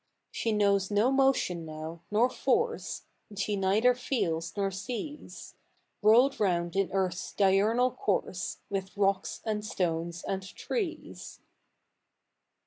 She knows no motion now, nor force, She neither feels nor sees, Rolled round in earth's diurnal course With rocks, and stones, and trees.